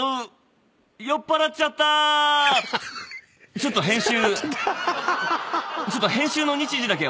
ちょっと編集。